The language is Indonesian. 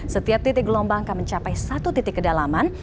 setiap titik gelombang akan mencapai satu titik kedalaman